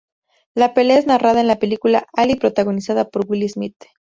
La pelea es narrada en la película "Ali" protagonizada por Will Smith.